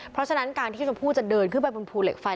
เพราะฉะนั้นการที่ชมพู่จะเดินขึ้นไปบนภูเหล็กไฟ